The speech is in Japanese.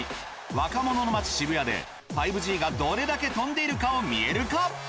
若者の街渋谷で５Ｇがどれだけ飛んでいるかを見える化。